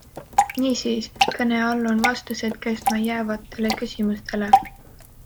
Niisiis, kõne all on vastused kestma jäävatele küsimustele.